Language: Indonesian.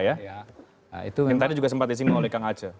yang tadi juga sempat disimulkan oleh kang aceh